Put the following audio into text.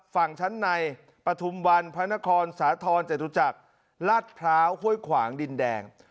ฝั่งชั้นในปฐุมวันพระนครสาธรณ์จตุจักรลาดพร้าวห้วยขวางดินแดง